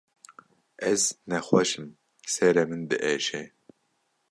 Ez nexweş im, serê min diêşe.